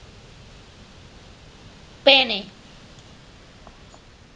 El algoritmo divide el grafo en componentes que pueden ser resueltas por separadas.